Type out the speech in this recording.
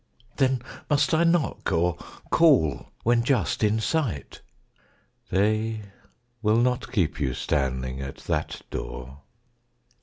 Then must I knock, or call when just in sight? They will not keep you standing at that door.